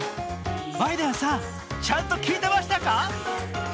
バイデンさん、ちゃんと聞いてましたか？